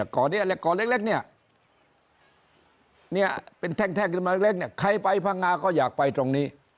ก่อเล็กเป็นแท่งมาเล็กใครไปภังงาก็อยากไปตรงนี้